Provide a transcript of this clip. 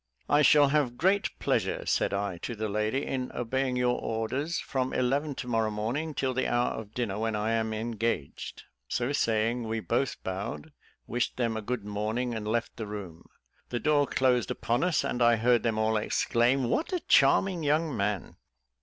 "I shall have great pleasure," said I, to the lady, "in obeying your orders from eleven to morrow morning, till the hour of dinner, when I am engaged." So saying, we both bowed, wished them a good morning, and left the room. The door closed upon us, and I heard them all exclaim "What a charming young man!"